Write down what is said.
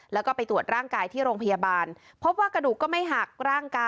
แล้วก็ไปตรวจร่างกายที่โรงพยาบาล